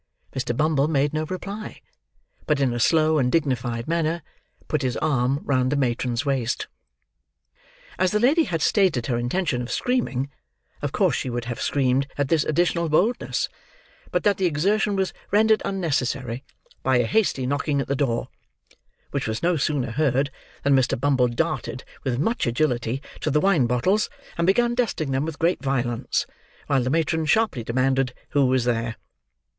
Mr. Bumble made no reply; but in a slow and dignified manner, put his arm round the matron's waist. As the lady had stated her intention of screaming, of course she would have screamed at this additional boldness, but that the exertion was rendered unnecessary by a hasty knocking at the door: which was no sooner heard, than Mr. Bumble darted, with much agility, to the wine bottles, and began dusting them with great violence: while the matron sharply demanded who was there.